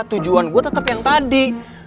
tujuan gue tetap yang tadi